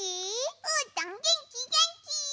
うーたんげんきげんき！